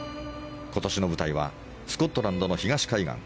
今年の舞台はスコットランドの東海岸。